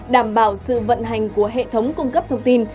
đảm bảo sự vận hành của hệ thống cung cấp thông tin